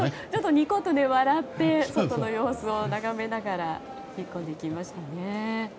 にこっと笑って外の様子を見ながら引っ込んでいきましたね。